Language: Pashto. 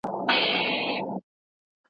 چي ازل یې قلم زما سره وهلی